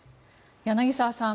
柳澤さん